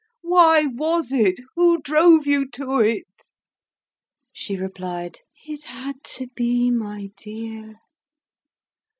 "Why was it? Who drove you to it?" She replied. "It had to be, my dear!"